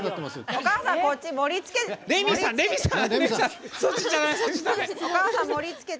おかあさんこっち盛りつけ。